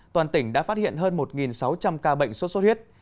toàn tỉnh đã phát hiện hơn một sáu trăm linh ca bệnh sốt xuất huyết